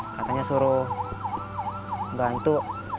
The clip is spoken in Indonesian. katanya suruh bantu